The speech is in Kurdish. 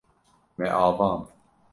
Me avand.